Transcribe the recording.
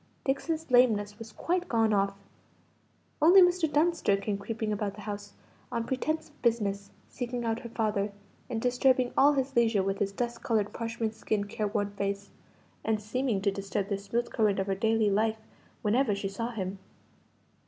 Dixon's lameness was quite gone off. Only Mr. Dunster came creeping about the house, on pretence of business, seeking out her father, and disturbing all his leisure with his dust coloured parchment skinned careworn face, and seeming to disturb the smooth current of her daily life whenever she saw him.